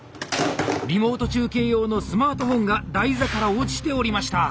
リモート中継用のスマートフォンが台座から落ちておりました。